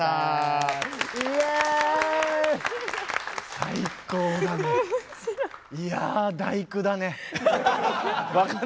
最高だね！